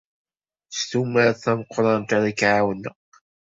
S tumert tameqrant ara k-ɛawneɣ.